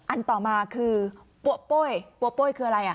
อันต่อมาคือปั๊วโป้ยปัวโป้ยคืออะไร